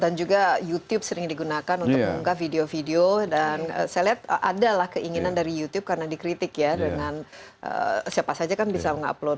dan juga youtube sering digunakan untuk mengungkap video video dan saya lihat adalah keinginan dari youtube karena dikritik ya dengan siapa saja kan bisa mengupload